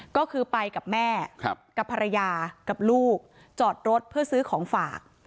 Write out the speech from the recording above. ก็คือไปกับแม่กับภรรยากับลูกจอดรถเพื่อซื้อของฝาก